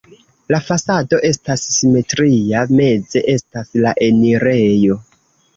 La fasado estas simetria, meze estas la enirejo.